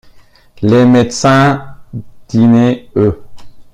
Les médecins dînaient, eux!